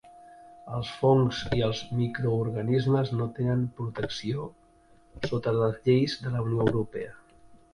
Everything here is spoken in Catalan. Els fongs i els microorganismes no tenen protecció sota les lleis de la Unió Europea.